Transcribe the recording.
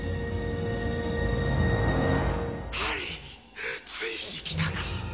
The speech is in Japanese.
ハリーついに来たか